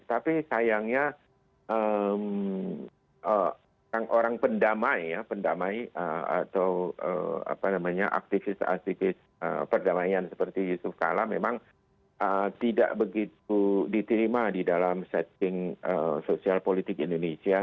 tapi sayangnya orang pendamai ya pendamai atau aktivis aktivis perdamaian seperti yusuf kalla memang tidak begitu diterima di dalam setting sosial politik indonesia